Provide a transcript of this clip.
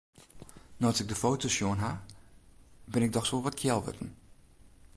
No't ik de foto's sjoen ha, bin ik dochs wol wat kjel wurden.